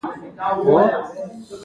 ایا دا ناروغي به بیا عود وکړي؟